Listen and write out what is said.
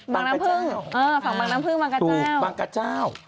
บางกระเจ้าฝั่งบางน้ำพึ่งบางกระเจ้า